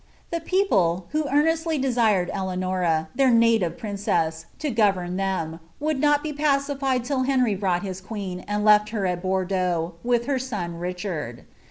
The ptuftle, who earnestly desired Eleanors, their native princess, to govern ihcm, would not he pacified till Henry brought Ins queen, and left Iter tt Bounleaux, with her son Kichard.